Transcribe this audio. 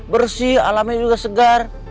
bersih alamnya juga segar